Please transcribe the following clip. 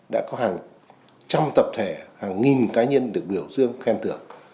đã có hàng trăm tập thể hàng nghìn cá nhân được biểu dương khen tưởng